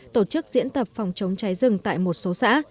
tổ chức diễn tập phòng chống cháy rừng tại một số xã